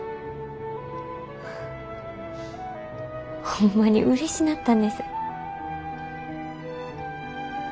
ホンマにうれしなったんです。